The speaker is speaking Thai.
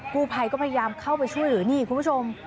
กู้ภัยก็พยายามเข้าไปช่วยเหลือนี่คุณผู้ชม